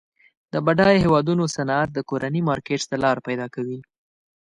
د بډایه هیوادونو صنعت د کورني مارکیټ ته لار پیداکوي.